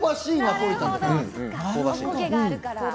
おこげがあるから。